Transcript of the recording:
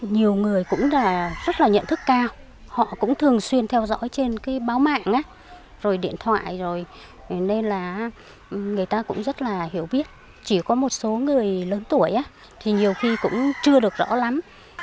nên là người ta cũng rất là hiểu biết chỉ có một số người lớn tuổi thì nhiều khi cũng chưa được rõ lắm